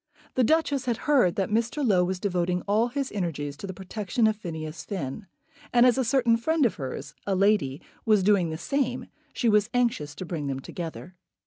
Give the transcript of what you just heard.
The Duchess had heard that Mr. Low was devoting all his energies to the protection of Phineas Finn; and, as a certain friend of hers, a lady, was doing the same, she was anxious to bring them together.